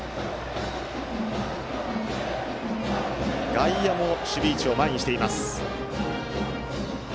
外野も守備位置を前にしています。